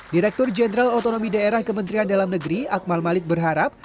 direktur jenderal otonomi daerah kementerian dalam negeri akmal malik berharap